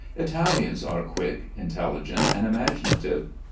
Italians are quick, intelligent, and imaginative.